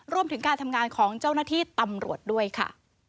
รวมถึงการทำงานของเจ้าหน้าที่ตำรวจด้วยค่ะ